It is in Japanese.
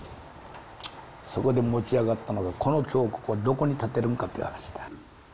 そこで持ち上がったのがこの彫刻をどこにたてるんかって話だ。